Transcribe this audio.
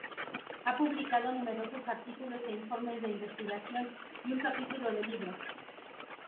Ha publicado numerosos artículos e informes de investigación y un capítulo de libro.